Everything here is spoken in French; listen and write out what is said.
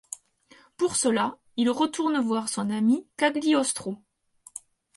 Pour cela, il retourne voir son ami Cagliostro.